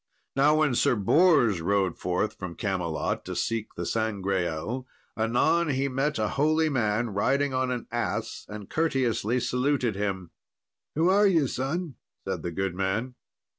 Now when Sir Bors rode forth from Camelot to seek the Sangreal, anon he met a holy man riding on an ass, and courteously saluted him. "Who are ye, son?" said the good man.